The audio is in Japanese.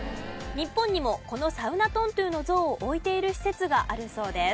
日本にもこのサウナ・トントゥの像を置いている施設があるそうです。